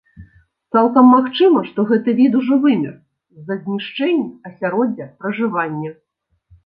Цалкам магчыма, што гэты від ужо вымер з-за знішчэння асяроддзя пражывання.